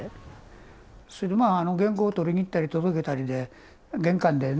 それでまぁ原稿取りに行ったり届けたりで玄関でね